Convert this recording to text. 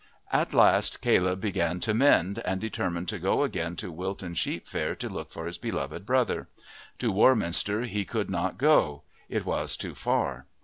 At last Caleb began to mend and determined to go again to Wilton sheep fair to look for his beloved brother; to Warminster he could not go; it was too far.